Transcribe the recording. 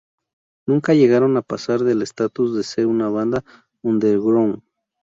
Nunca llegaron a pasar del status de ser una banda underground.